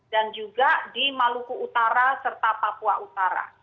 dan juga di maluku utara serta papua utara